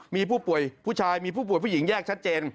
มีผู้ป่วยผู้ชายมีผู้ป่วยผู้หญิงแยกชัดเจน